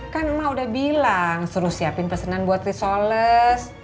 kan emak udah bilang suruh siapin pesenan buat risoles